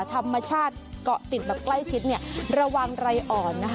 ธรรมชาติเกาะติดแบบใกล้ชิดเนี่ยระวังไรอ่อนนะคะ